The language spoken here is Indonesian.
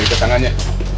udah ikut tangannya